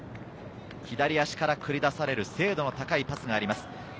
左足から繰り出される精度の高いパスがあります。